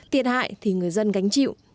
tiệt hại thì người dân gánh chịu